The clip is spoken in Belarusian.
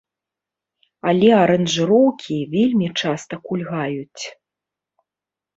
Але аранжыроўкі вельмі часта кульгаюць.